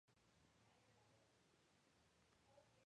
La intervención de su esposa fue crucial en su liberación.